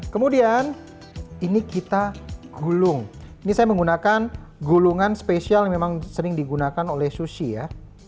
kemudian ini kita gulung ini saya menggunakan gulungan spesial yang memang sering digunakan oleh sushi ya